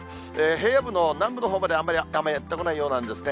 平野部の南部のほうまで、あんまり雨、やって来ないようなんですね。